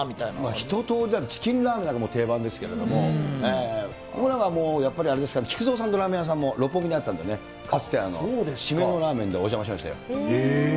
一とおり、チキンラーメンなんかはもう定番ですけれども、僕なんかもう、やっぱりあれですかね、木久蔵さんのラーメン屋さんも六本木にあったんでね、かつて締めのラーメンでお邪魔しましたよ。